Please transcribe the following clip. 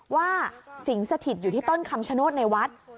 สิงสถิตอยู่ที่ต้นคำชโนธในวัด